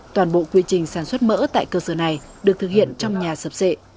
toàn bộ quy trình sản xuất mỡ tại cơ sở này được thực hiện trong nhà sập sệ